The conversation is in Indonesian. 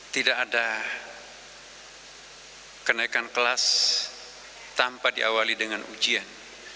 tidak ada kenaikan kelas tanpa diawali dengan ujian